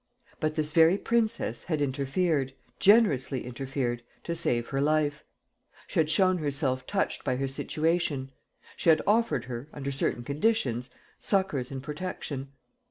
But this very princess had interfered, generously interfered, to save her life; she had shown herself touched by her situation; she had offered her, under certain conditions, succours and protection.